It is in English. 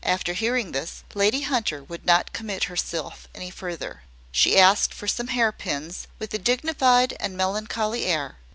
After hearing this, Lady Hunter would not commit herself any further. She asked for some hair pins, with a dignified and melancholy air.